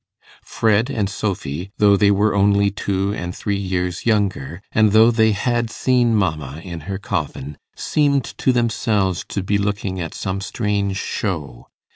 Fred and Sophy, though they were only two and three years younger, and though they had seen mamma in her coffin, seemed to themselves to be looking at some strange show.